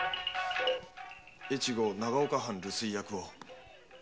越後長岡藩留守居役を？